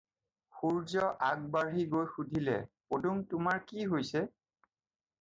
"সূৰ্য্য আগবাঢ়ি গৈ সুধিলে- "পদুম, তোমাৰ কি হৈছে?"